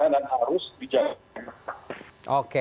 dan harus dijaga